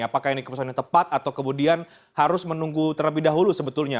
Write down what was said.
apakah ini keputusan yang tepat atau kemudian harus menunggu terlebih dahulu sebetulnya